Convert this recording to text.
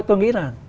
tôi nghĩ là